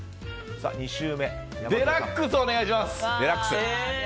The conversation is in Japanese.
デラックスお願いします！